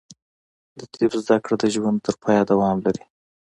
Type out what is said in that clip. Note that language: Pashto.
د طب زده کړه د ژوند تر پایه دوام لري.